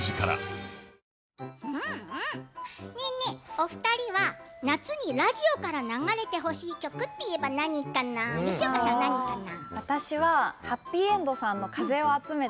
お二人は夏にラジオから流れてほしい曲といえば、何かな吉岡さん、何かな。